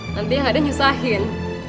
nanti yang ada nyusahin